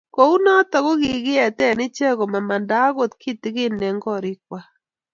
kou noto, kikiete icheke komamanda akot kitegen eng' korikwak